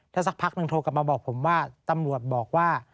ถ้าสักพักหนึ่งโทรกลับมาบอกผมว่าตำรวจบอกว่า